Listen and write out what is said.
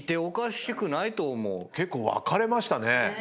結構分かれましたね。